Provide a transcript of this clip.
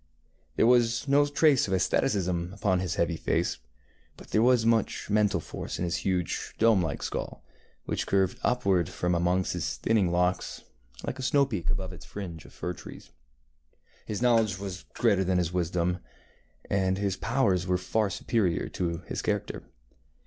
There was no trace of asceticism upon his heavy face, but there was much mental force in his huge dome like skull, which curved upward from amongst his thinning locks, like a snow peak above its fringe of fir trees. His knowledge was greater than his wisdom, and his powers were far superior to his character.